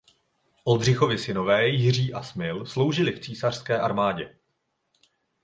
Oldřichovi synové Jiří a Smil sloužili v císařské armádě.